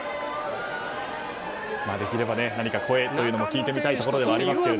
できれば声というのも聞いてみたいところですが。